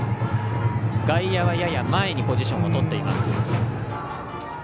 外野はやや前にポジションをとっています。